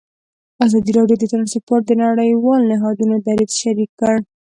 ازادي راډیو د ترانسپورټ د نړیوالو نهادونو دریځ شریک کړی.